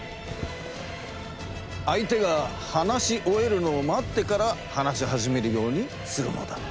相手が話し終えるのを待ってから話し始めるようにするのだ。